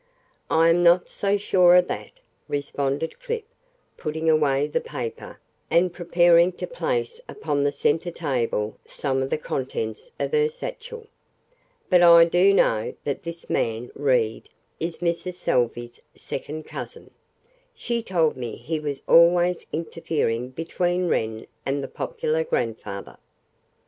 "I am not so sure of that," responded Clip, putting away the paper and preparing to place upon the center table some of the contents of her satchel. "But I do know that this man, Reed, is Mrs. Salvey's second cousin. She told me he was always interfering between Wren and the popular grandfather.